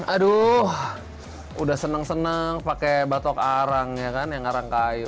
aduh udah seneng seneng pakai batok arang ya kan yang arang kayu